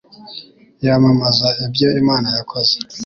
yamamaza ibyo Imana yakoze